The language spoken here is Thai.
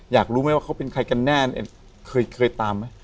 อยากรู้ไหมว่าเขาเป็นใครกันแน่เคยตามไหม